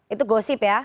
itu gosip ya